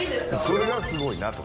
それがすごいなと。